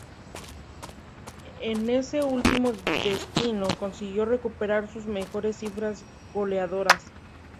En ese último destino consiguió recuperar sus mejores cifras goleadoras.